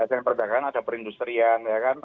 menteri perdagangan ada perindustrian